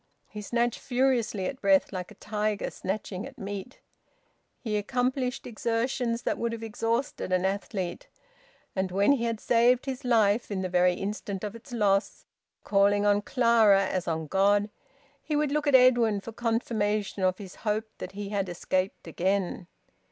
He snatched furiously at breath like a tiger snatching at meat. He accomplished exertions that would have exhausted an athlete, and when he had saved his life in the very instant of its loss, calling on Clara as on God, he would look at Edwin for confirmation of his hope that he had escaped again.